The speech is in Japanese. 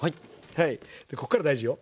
こっから大事よ。